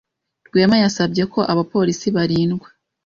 Rwema yasabye ko abapolisi barindwa